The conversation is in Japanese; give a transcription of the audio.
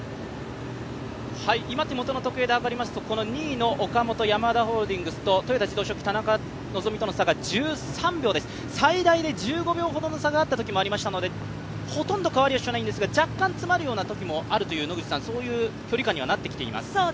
今、手元の時計ではかりますと２位の岡本、ヤマダホールディングスとの差が１３秒、最大で１５秒ほどの差があったときもあったのでほとんど変わらないんですが若干詰まるようなときもあるという距離感にはなってきています。